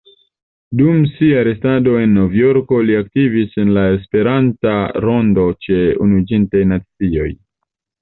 Dum sia restado en Novjorko li aktivis en la Esperantista rondo ĉe Unuiĝintaj Nacioj.